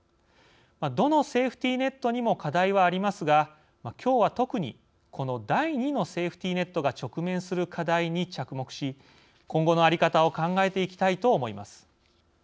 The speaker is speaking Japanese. どのセーフティーネットにも課題はありますがきょうは特にこの第２のセーフティーネットが直面する課題に着目し今後の在り方を考えていきたいと思います。